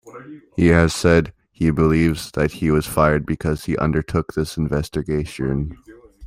He has said he believes that he was fired because he undertook this investigation.